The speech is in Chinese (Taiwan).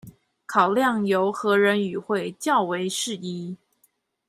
考量由何人與會較為適宜